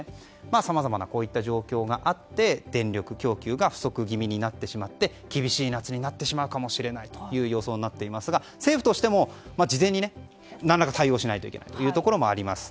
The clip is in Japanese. さまざまなこういった状況があって電力供給が不足気味になってしまって厳しい夏になってしまうかもしれないという予想になっていますが政府としても、事前に何らか対応しなきゃいけないことがあります。